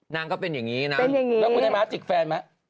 แล้วคุณได้มาจิกแฟนไหม